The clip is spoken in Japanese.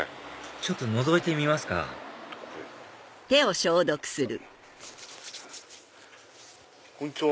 ちょっとのぞいてみますかこんにちは。